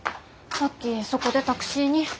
さっきそこでタクシーに。